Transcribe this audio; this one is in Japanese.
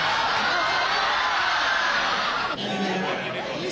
ああ！